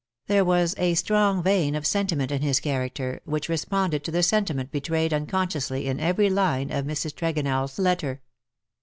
There was a strong vein of sentiment in his character, which responded to the sentiment betrayed unconsciously in every line of Mrs. 36 BUT THEN CAME ONE, TregonelFs letter.